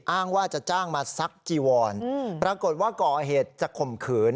อ้างว่าจะจ้างมาซักจีวอนปรากฏว่าก่อเหตุจะข่มขืน